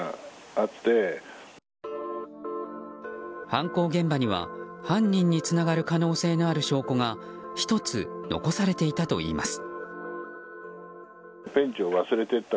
犯行現場には犯人につながる可能性のある証拠が１つ残されていたといいます。